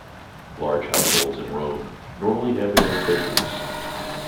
Large households in Rome normally had their own bakers.